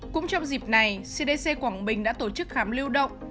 cũng trong dịp này cdc quảng bình đã tổ chức khám lưu động